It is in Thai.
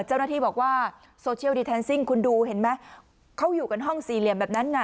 เจ้าหน้าที่บอกว่าคุณดูเห็นไหมเขาอยู่กันห้องสี่เหลี่ยมแบบนั้นอ่ะ